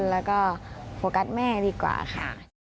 แล้วก็โฟกัสแม่ดีกว่าค่ะ